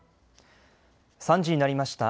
３時になりました。